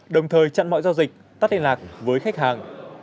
đồng thời chặn mọi giao dịch tắt liên lạc với khách hàng